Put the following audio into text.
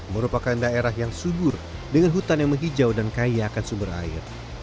merupakan daerah yang subur dengan hutan yang menghijau dan kaya akan sumber air